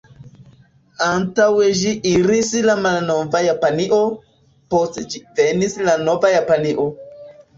Antaŭ ĝi iris la malnova Japanio; post ĝi venis la nova Japanio.